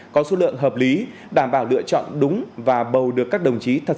có số lượng hợp lý đảm bảo lựa chọn đúng và bầu được các đồng chí thật